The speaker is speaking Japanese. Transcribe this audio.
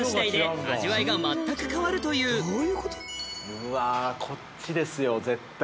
うわこっちですよ絶対。